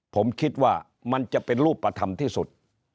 ผมคิดว่ามันจะเป็นรูปธรรมที่สุด